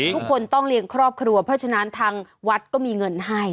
ทุกคนต้องเลี้ยงครอบครัวเพราะฉะนั้นทางวัดก็มีเงินให้